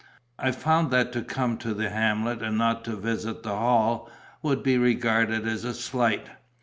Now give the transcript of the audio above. I found that to come to the hamlet and not visit the Hall, would be regarded as a slight.